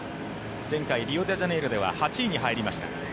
前回リオデジャネイロでは８位に入りました。